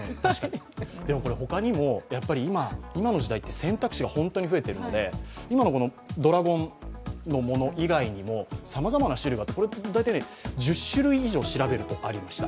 他にも、今の時代って選択肢が本当に増えているので今のドラゴンのもの以外にもさまざまな種類が、大体１０種類以上調べるとありました。